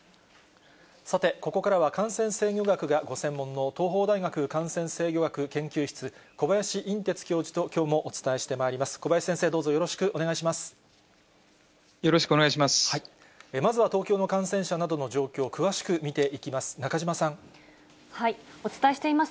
さてここからは、感染制御学がご専門の東邦大学感染制御学研究室、小林寅てつ教授ときょうもお伝えしてまいります。